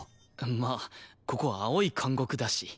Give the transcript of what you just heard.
まあここ「青い監獄」だし。